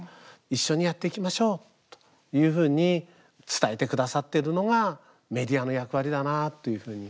一緒にやっていきましょうというふうに伝えてくださってるのがメディアの役割だなというふうに。